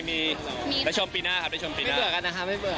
ได้ชมปีหน้าครับได้ชมปีหน้า